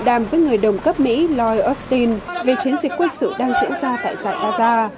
đàm với người đồng cấp mỹ lloyd austin về chiến dịch quân sự đang diễn ra tại giải gaza